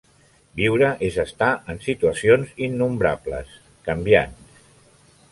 Viure és estar en situacions innombrables, canviants.